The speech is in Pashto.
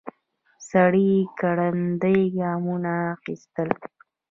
سړی ګړندي ګامونه اخيستل.